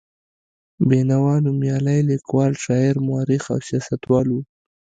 بېنوا نومیالی لیکوال، شاعر، مورخ او سیاستوال و.